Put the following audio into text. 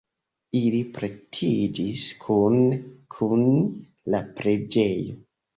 Ili pretiĝis kune kun la preĝejo.